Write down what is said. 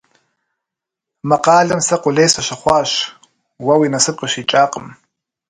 Мы къалэм сэ къулей сыщыхъуащ, уэ уи насып къыщикӏакъым.